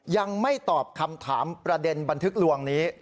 ยังไม่ตอบคำถามประเด็นบันทึกลวงนี้